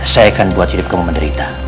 saya akan buat hidup kamu menderita